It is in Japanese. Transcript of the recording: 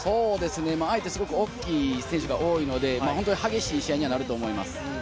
相手はすごく大きい選手が多いので、激しい試合になると思います。